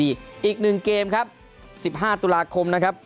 อีก๑เกมครับ๑๕ตุลาคมนะครับ